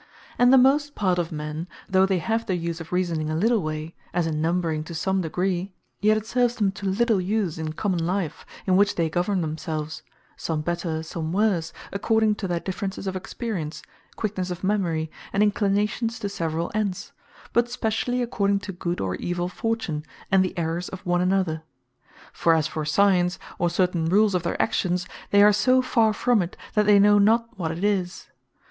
And the most part of men, though they have the use of Reasoning a little way, as in numbring to some degree; yet it serves them to little use in common life; in which they govern themselves, some better, some worse, according to their differences of experience, quicknesse of memory, and inclinations to severall ends; but specially according to good or evill fortune, and the errors of one another. For as for Science, or certain rules of their actions, they are so farre from it, that they know not what it is.